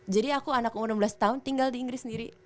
jadi aku anak umur enam belas tahun tinggal di inggris sendiri